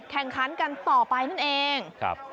แข่งขันกันต่อไปนั่นเอง